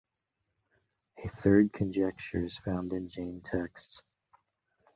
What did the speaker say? A third conjecture is found in Jain texts.